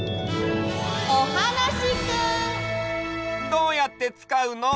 どうやってつかうの？